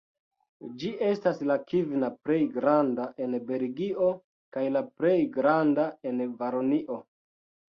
Ĝi estas la kvina plej granda en Belgio kaj la plej granda en Valonio.